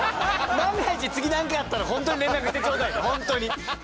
万が一次なんかあったらホントに連絡してちょうだいよホントに。